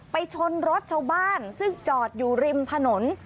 ชนรถชาวบ้านซึ่งจอดอยู่ริมถนน